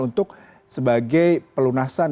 untuk sebagai pelunasan